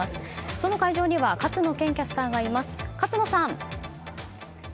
その会場には勝野健キャスターがいます。